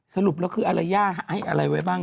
สรุปแล้วคืออะไรย่าให้อะไรไว้บ้าง